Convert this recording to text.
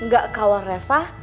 gak kawal reva